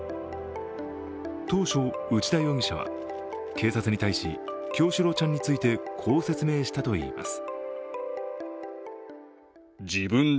当初、内田容疑者は警察に対し、叶志郎ちゃんについて、こう説明したといいます。